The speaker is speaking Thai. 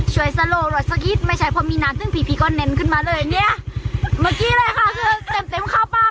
ของเราแล้วก็เพิ่มก็ต๊อกใช่ไหมค่ะผีพีทางร้ายซึ่งก็ฟอฮ่ะ